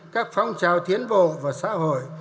các phong trào thiến bộ và xã hội